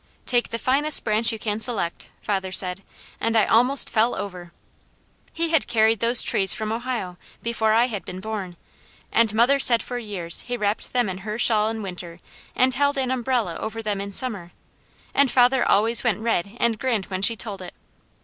"Take the finest branch you can select," father said, and I almost fell over. He had carried those trees from Ohio, before I had been born, and mother said for years he wrapped them in her shawl in winter and held an umbrella over them in summer, and father always went red and grinned when she told it.